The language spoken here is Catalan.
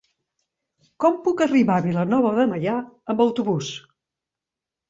Com puc arribar a Vilanova de Meià amb autobús?